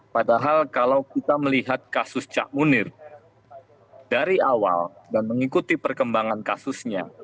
padahal kalau kita melihat kasus cak munir dari awal dan mengikuti perkembangan kasusnya